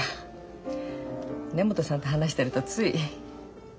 根本さんと話してるとつい。